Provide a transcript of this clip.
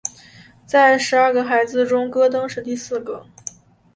在十二个孩子中戈登是第四个。